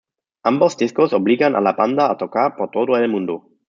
Ambos discos obligan a la banda a tocar por todo el Mundo.